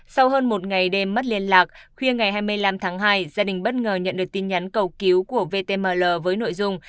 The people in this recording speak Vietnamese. sau hơn một ngày đêm mất liên lạc khuya ngày hai mươi năm tháng hai gia đình bất ngờ nhận được tin nhắn cầu cứu của vtml với nội dung